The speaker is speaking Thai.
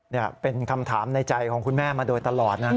นี่เป็นคำถามในใจของคุณแม่มาโดยตลอดนะ